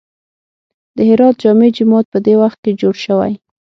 د هرات جامع جومات په دې وخت کې جوړ شوی.